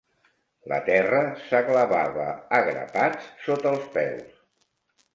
La terra s'aglevava a grapats sota els peus.